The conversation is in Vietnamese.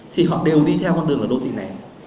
thì họ đều đi theo con đường là đô thị nén